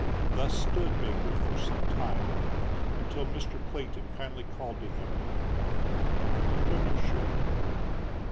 Thus stood Baker for some time, until Mr. Clayton kindly called to him: "Put on your shirt."